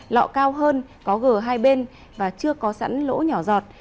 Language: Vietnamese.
lọ cao hơn có g hai bên và chưa có sẵn lỗ nhỏ giọt